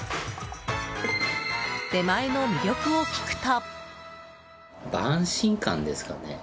出前の魅力を聞くと。